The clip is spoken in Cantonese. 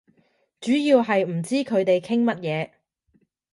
主要係唔知佢哋傾乜嘢